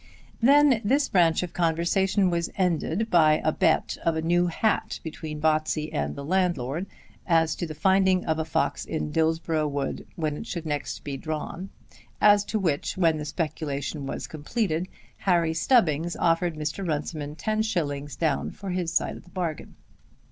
Then this branch of the conversation was ended by a bet of a new hat between Botsey and the landlord as to the finding of a fox in Dillsborough Wood when it should next be drawn; as to which, when the speculation was completed, Harry Stubbings offered Mr. Runciman ten shillings down for his side of the bargain.